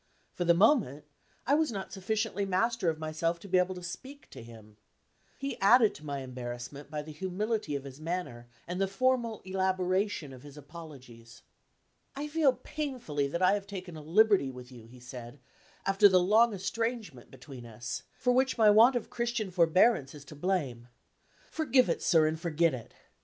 For the moment, I was not sufficiently master of myself to be able to speak to him. He added to my embarrassment by the humility of his manner, and the formal elaboration of his apologies. "I feel painfully that I have taken a liberty with you," he said, "after the long estrangement between us for which my want of Christian forbearance is to blame. Forgive it, sir, and forget it.